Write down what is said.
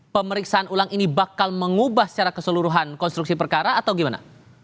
pemeriksaan ulang ini bakal mengubah secara keseluruhan konstruksi perkara atau gimana